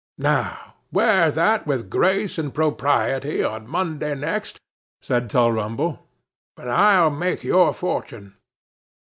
'Now, wear that with grace and propriety on Monday next,' said Tulrumble, 'and I'll make your fortune.